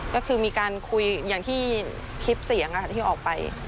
ก็คือมีการคุยอย่างที่คลิปเสียงที่ออกไป